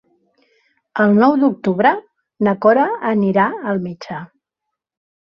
El nou d'octubre na Cora anirà al metge.